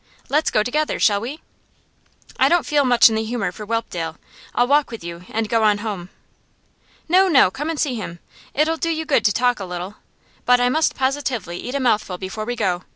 Let's go together, shall we?' 'I don't feel much in the humour for Whelpdale. I'll walk with you, and go on home.' 'No, no; come and see him. It'll do you good to talk a little. But I must positively eat a mouthful before we go.